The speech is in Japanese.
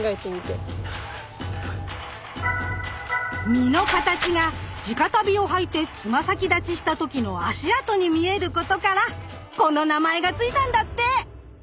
実の形が地下足袋を履いて爪先立ちした時の足跡に見えることからこの名前がついたんだって。